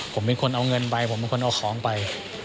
ผมเป็นคนเอาเงินไปผมเป็นคนเอาของไป